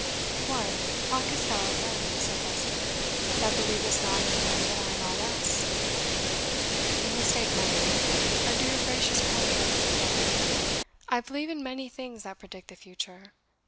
"What, talkest thou of them," said Leicester, "that believest not in them or in aught else?" "You mistake, my lord, under your gracious pardon," said Varney; "I believe in many things that predict the future.